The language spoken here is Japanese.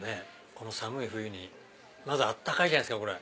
この寒い冬にまず温かいじゃないですかこれ。